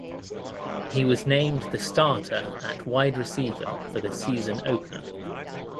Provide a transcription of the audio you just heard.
He was named the starter at wide receiver for the season opener.